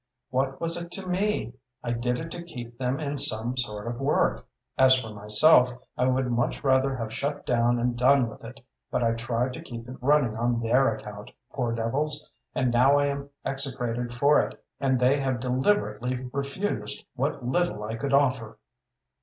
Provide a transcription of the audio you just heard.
What was it to me? I did it to keep them in some sort of work. As for myself, I would much rather have shut down and done with it, but I tried to keep it running on their account, poor devils, and now I am execrated for it, and they have deliberately refused what little I could offer."